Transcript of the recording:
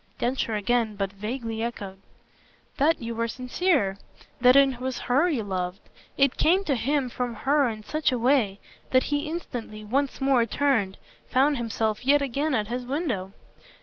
Densher again but vaguely echoed. "That you were sincere. That it was HER you loved." It came to him from her in such a way that he instantly, once more, turned, found himself yet again at his window.